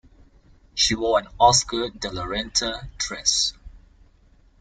She wore an Oscar de la Renta dress.